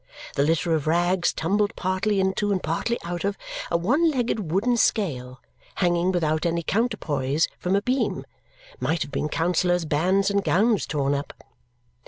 The litter of rags tumbled partly into and partly out of a one legged wooden scale, hanging without any counterpoise from a beam, might have been counsellors' bands and gowns torn up.